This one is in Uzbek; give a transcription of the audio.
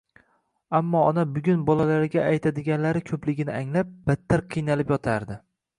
Ammo ona bugun bolalariga aytadiganlari ko‘pligini anglab, battar qiynalib yotardi